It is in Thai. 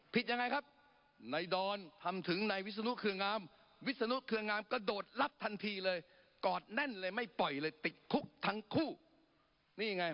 ผิดยังไงครับใน